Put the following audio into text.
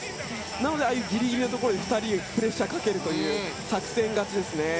なので、ああいうギリギリのところで２人がプレッシャーをかけるという作戦勝ちですね。